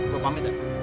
gua pamit ya